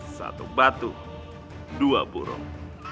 satu batu dua burung